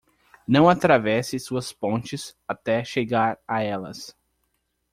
Não atravesse suas pontes até chegar a elas.